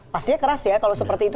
pastinya keras ya kalau seperti itu